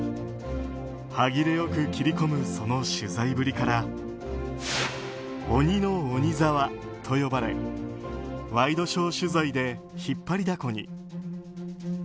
歯切れよく切り込むその取材ぶりから鬼の鬼沢と呼ばれワイドショー取材で引っ張りだこに。